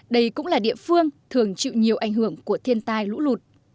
đây cũng là địa phương thường chịu nhiều ảnh hưởng của thiên tai lũ lụt